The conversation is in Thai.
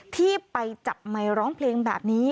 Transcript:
ที่ไปจับไมค์ร้องเพลงแบบนี้